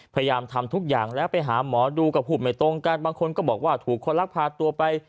พยายามทำทุกอย่างแล้วไปหาหมอดูก็พูดไม่ตรงกันบางคนก็บอกว่าถูกคนรักพาตัวไป